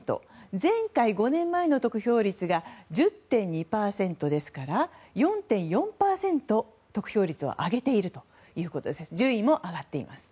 前回５年前の得票率が１０．２％ですから４．４％得票率を上げているということで順位も上がっています。